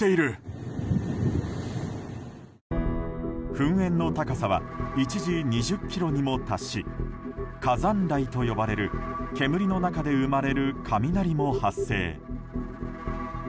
噴煙の高さは一時２０ｋｍにも達し火山雷と呼ばれる煙の中で生まれる雷も発生。